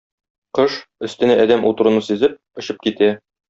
Кош, өстенә адәм утыруны сизеп, очып китә.